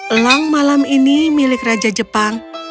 elang malam ini milik raja jepang